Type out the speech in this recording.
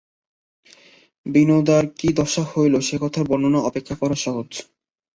বিনোদার কী দশা হইল সেকথা বর্ণনার অপেক্ষা কল্পনা সহজ।